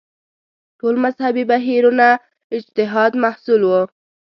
ټول مذهبي بهیرونه اجتهاد محصول وو